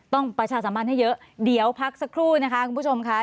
ประชาสัมพันธ์ให้เยอะเดี๋ยวพักสักครู่นะคะคุณผู้ชมค่ะ